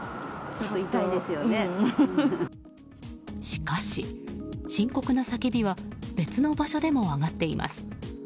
しかし、深刻な叫びは別の場所でも上がっています。